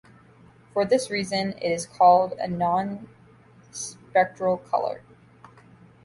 For this reason, it is called a "non-spectral color".